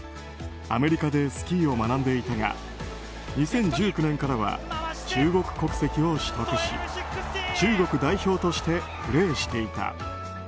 アメリカでスキーを学んでいたが２０１９年からは中国国籍を取得し中国代表としてプレーしていた。